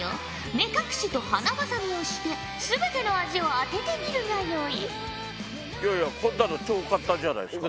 目隠しと鼻ばさみをして全ての味を当ててみるがよい。